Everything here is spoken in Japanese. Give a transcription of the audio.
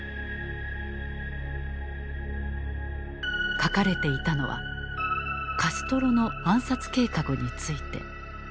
書かれていたのはカストロの暗殺計画について。